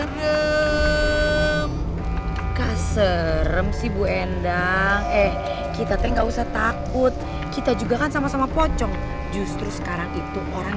lokasi rem sih bu endang eh kita tak usah takut kita juga sama sama pocong justru sekarang